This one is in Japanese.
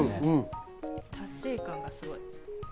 達成感がすごい。